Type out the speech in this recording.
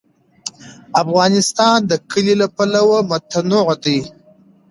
افغانستان د کلي له پلوه متنوع دی.